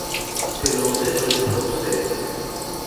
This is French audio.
C'est l'ancêtre du corset.